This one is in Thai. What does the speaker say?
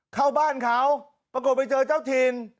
เข้าบ้านเขาปรากฏไปเจอเจ้าถิ่น